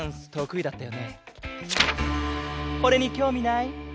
これにきょうみない？